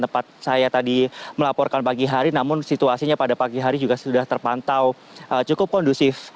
tempat saya tadi melaporkan pagi hari namun situasinya pada pagi hari juga sudah terpantau cukup kondusif